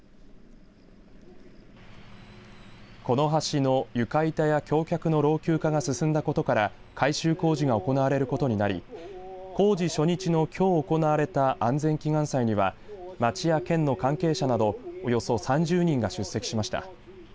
この橋の床板や橋脚の老朽化が進んだことから改修工事が行われることになり工事初日のきょう行われた安全祈願祭には町や県の関係者などおよそ３０人が出席しました。